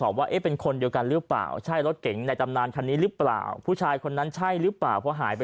ไม่รู้เขายังไงเนอะ